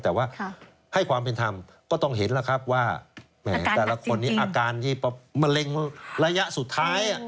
แต่ว่าให้ความเป็นธรรมก็ต้องเห็นแล้วครับว่าแหมแต่ละคนนี้อาการที่มะเร็งระยะสุดท้าย